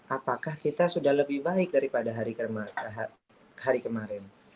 apakah kita sudah lebih baik daripada hari kemarin